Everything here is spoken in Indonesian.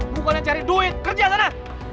bukannya cari duit kerja sana